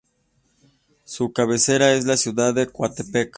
Su cabecera es la ciudad de Coatepec.